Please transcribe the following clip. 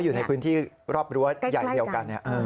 อยู่ในพื้นที่รอบรั้วใหญ่เดียวกัน